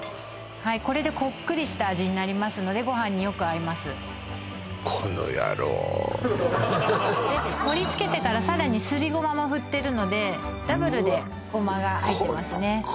これでこっくりした味になりますのでご飯によく合いますコノヤロー盛り付けてからさらにすりゴマもふってるのでダブルでゴマが入ってますねうわ